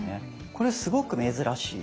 これすごく珍しい。